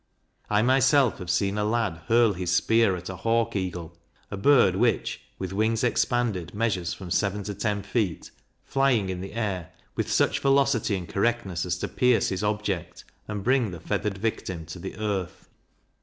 I myself have seen a lad hurl his spear at a hawk eagle (a bird which, with wings expanded, measures from seven to ten feet), flying in the air, with such velocity and correctness as to pierce his object, and bring the feathered victim to the earth.